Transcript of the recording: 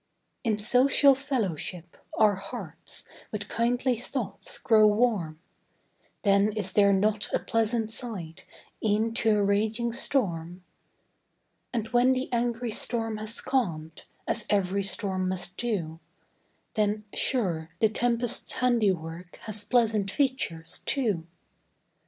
In social fellowship, our hearts With kindly thoughts grow warm; Then is there not a pleasant side, E'en to a raging storm? And when the angry storm has calm'd, As ev'ry storm must do, Then, sure, the tempest's handiwork, Has pleasant features, too.